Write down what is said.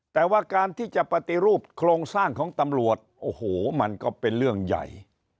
แต่ว่าการที่จะปฏิรูปโครงสร้างของตำรวจโอ้โหมันก็เป็นเรื่องใหญ่